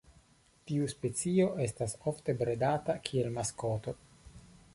Tiu specio estas ofte bredata kiel maskoto.